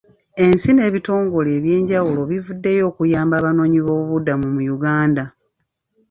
Ensi n'ebitongole eby'enjawulo bivuddeyo okuyamba Abanoonyi b'obubudamu mu Uganda.